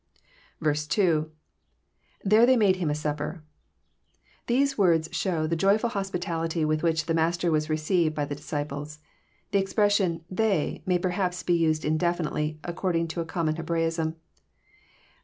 8. — IJTiere they made him a supper,'] These words show the jojrftd hospitality with which the Master was received by the disciples. The expression, they," may perhaps be used indefinitely, ac cording to a common Hebraism.